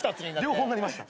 両方になりました。